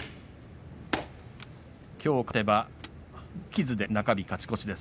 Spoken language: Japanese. きょう勝てば無傷で中日勝ち越しです